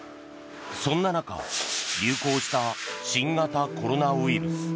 そんな中流行した新型コロナウイルス。